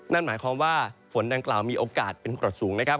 นั่นหมายความว่าฝนดังกล่าวมีโอกาสเป็นกรดสูงนะครับ